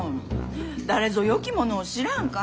誰ぞよき者を知らんか？